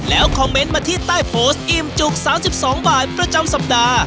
แล้วคอมเมนต์มาที่ใต้โพสต์อิ่มจุก๓๒บาทประจำสัปดาห์